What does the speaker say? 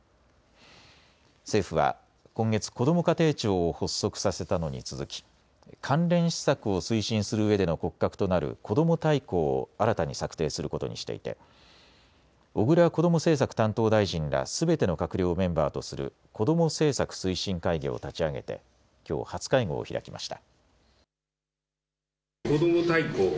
政府は今月、こども家庭庁を発足させたのに続き関連施策を推進するうえでの骨格となるこども大綱を新たに策定することにしていて小倉こども政策担当大臣らすべての閣僚をメンバーとするこども政策推進会議を立ち上げてきょう初会合を開きました。